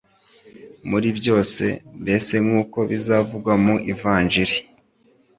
muri byose mbese nk’uko bizavugwa mu Ivanjili